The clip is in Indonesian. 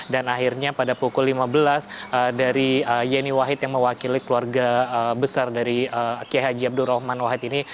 dan akhirnya pada pukul lima belas dari yeni wahid yang mewakili keluarga besar dari kiyai haji abdul rahman wahid ini